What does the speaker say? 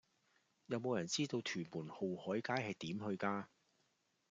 有無人知道屯門浩海街係點去㗎